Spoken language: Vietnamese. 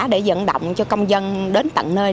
để dẫn động cho công dân đến tận nơi